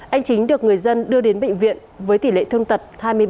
anh chính được người dân đưa đến bệnh viện với tỷ lệ thương tật hai mươi ba